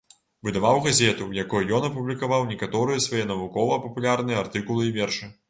Выдаваў газету, у якой ён апублікаваў некаторыя свае навукова-папулярныя артыкулы і вершы.